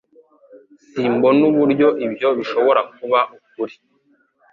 Simbona uburyo ibyo bishobora kuba ukuri